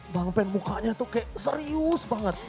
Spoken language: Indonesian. bang pen mukanya tuh kayak serius banget